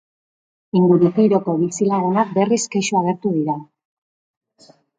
Inguruko bizi lagunak, berriz, kexu agertu dira.